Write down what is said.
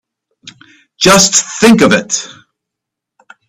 Just think of it!